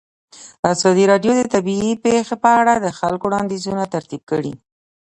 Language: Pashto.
ازادي راډیو د طبیعي پېښې په اړه د خلکو وړاندیزونه ترتیب کړي.